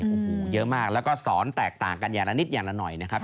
โอ้โหเยอะมากแล้วก็สอนแตกต่างกันอย่างละนิดอย่างละหน่อยนะครับ